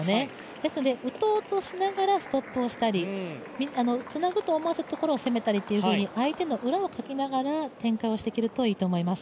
ですので打とうとしながらストップをしたり、つなぐと思わせたところを攻めたりと相手の裏をかきながら展開をしていけるといいと思います。